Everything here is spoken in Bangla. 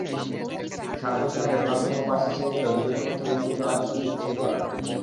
সাত বছর আগে রোনালদিনহো বার্সা ছেড়ে গেলেও দুজনের মধ্যে বন্ধুত্ব আজও সজীব-সপ্রাণ।